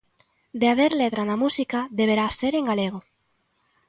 De haber letra na música, deberá ser en galego.